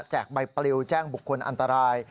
ใบปลิวแจ้งบุคคลอันตราย